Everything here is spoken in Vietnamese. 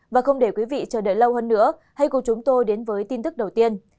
và không để quý vị chờ đợi lâu hơn nữa hãy cùng chúng tôi đến với tin tức đầu tiên